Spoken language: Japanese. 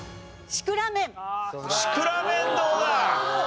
シクラメンどうだ？